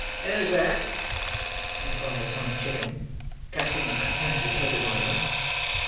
"Who's that?" inquired Tom Chitling, casting a contemptuous look at Oliver.